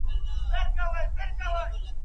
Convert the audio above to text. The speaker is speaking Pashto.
o هندو ژړل پياز ئې خوړل.